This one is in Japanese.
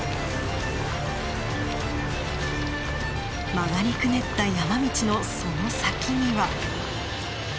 曲がりくねった山道のその先には。